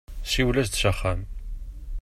Siwel-as-d s axxam.